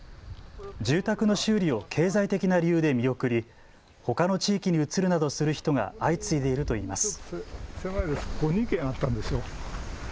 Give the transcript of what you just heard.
住宅の修理を経済的な理由で見送り、ほかの地域に移るなどする人が相次いでいるといいます。